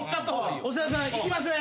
長田さんいきますね。